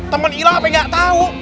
temen ilang apa gak tau